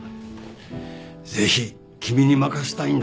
ぜひ君に任したいんだ。